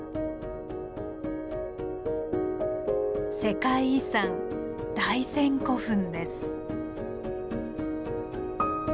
世界遺産大山古墳です。